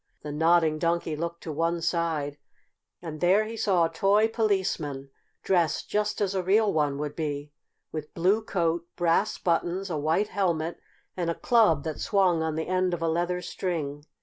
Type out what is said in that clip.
The Nodding Donkey looked to one side and there he saw a toy Policeman, dressed just as a real one would be, with blue coat, brass buttons, a white helmet and a club that swung on the end of a leather string.